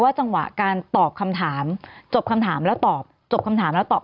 ว่าจังหวะการตอบคำถามจบคำถามแล้วตอบ